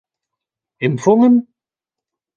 Impfungen?